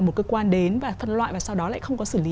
một cơ quan đến và phân loại và sau đó lại không có xử lý